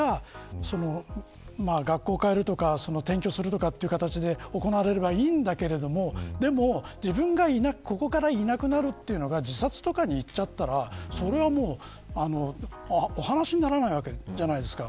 学校変えるとか転居するという形で行われればいいんだけれどもでも自分がここからいなくなるというのが自殺とかにいっちゃったらそれはもうお話にならないわけじゃないですか。